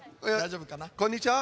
こんにちは。